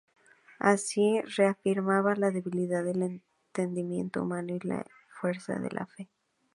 Así, reafirmaba la debilidad del entendimiento humano y la fuerza de la fe.